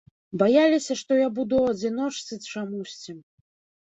Баяліся, што я буду ў адзіночцы, чамусьці.